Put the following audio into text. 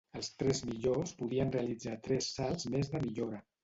Els tres millors podien realitzar tres salts més de millora.